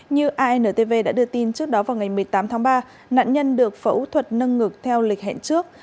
như intv đã đưa tin trước đó vào ngày một mươi tám tháng ba nạn nhân được phẫu thuật nâng ngực theo lịch hẹn trước